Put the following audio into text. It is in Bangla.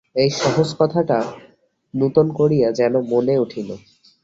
এই সহজ কথাটা নূতন করিয়া যেন মনে উঠিল।